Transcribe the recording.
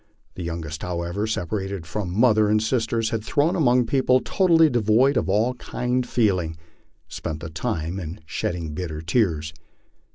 The youngest, however, separated from mother and sisters, and thrown among people totally devoid of all kind feeling, spent the time in shedding bitter tears.